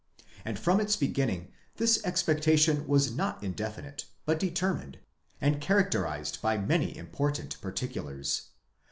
And from its beginning this expectation was not indefinite, but determined, and characterized by many important particulars.